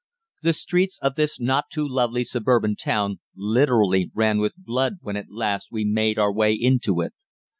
The streets of this not too lovely suburban town literally ran with blood when at last we made our way into it.